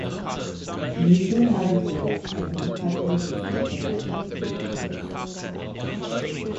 Neutral hydrogen has been detected against the galactic nucleus.